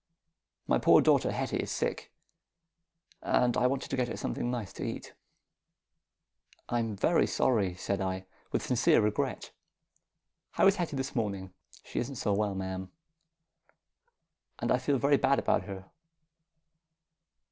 My poor daughter Hetty is sick, and I wanted to get her something nice to eat." "I'm very sorry," said I, with sincere regret. "How is Hetty this morning?" "She isn't so well, ma'am. And I feel very bad about her."